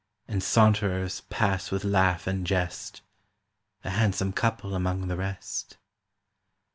And saunterers pass with laugh and jest— A handsome couple among the rest.